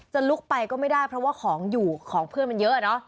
ลุกไปก็ไม่ได้เพราะว่าของอยู่ของเพื่อนมันเยอะเนอะ